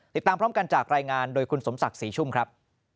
ติดตามพร้อมกันจากรายงานโดยคุณสมศักดิ์ศรีชุ่มครับ